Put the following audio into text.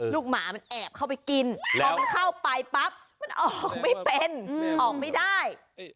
หมามันแอบเข้าไปกินพอมันเข้าไปปั๊บมันออกไม่เป็นออกไม่ได้